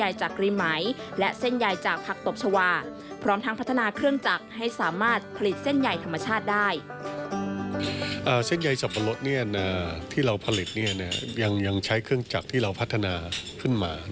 ยังใช้เครื่องจักรที่เราพัฒนาขึ้นมา